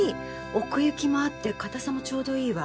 奥行きもあって硬さも丁度いいわ。